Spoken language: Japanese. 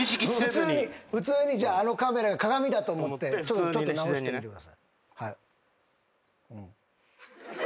普通にじゃああのカメラ鏡だと思ってちょっと直してみてください。